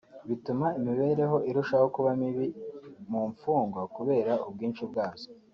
bituma imibereho irushaho kuba mibi mu mfungwa kubera ubwinshi bwazo